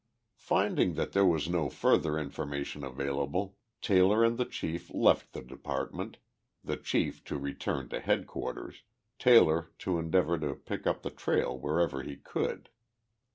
Finding that there was no further information available, Taylor and the chief left the department, the chief to return to headquarters, Taylor to endeavor to pick up the trail wherever he could.